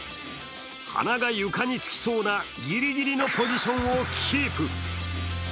鼻が床につきそうなギリギリのポジションをキープ。